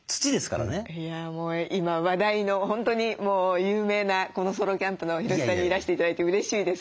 いやもう今話題の本当にもう有名なソロキャンプのヒロシさんにいらして頂いてうれしいです。